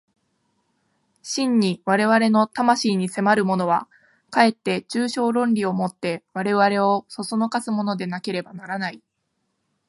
真に我々の魂に迫るものは、かえって抽象論理を以て我々を唆すものでなければならない。